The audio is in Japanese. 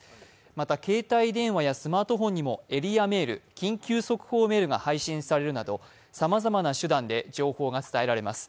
また携帯電話やスマートフォンにもエリアメール、緊急速報メールが配信されるなど、さまざまな手段で情報が伝えられます。